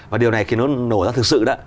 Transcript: và điều này thì nó nổ ra thực sự đó